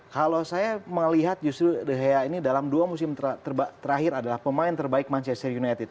kalau saya melihat justru the hea ini dalam dua musim terakhir adalah pemain terbaik manchester united